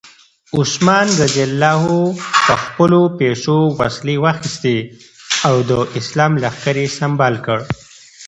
عثمان رض په خپلو پیسو وسلې واخیستې او د اسلام لښکر یې سمبال کړ.